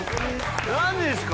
何でですか！